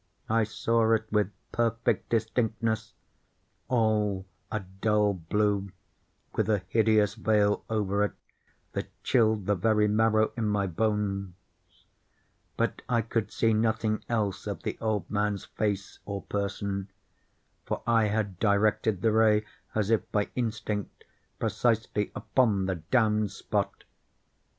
I saw it with perfect distinctness—all a dull blue, with a hideous veil over it that chilled the very marrow in my bones; but I could see nothing else of the old man's face or person: for I had directed the ray as if by instinct, precisely upon the damned spot.